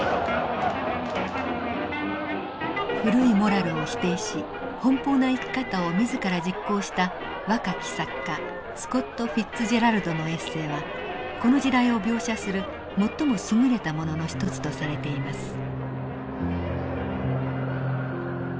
古いモラルを否定し奔放な生き方を自ら実行した若き作家スコット・フィッツジェラルドのエッセーはこの時代を描写する最もすぐれたものの一つとされています。